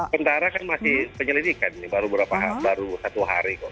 kendaraan kan masih penyelidikan baru satu hari kok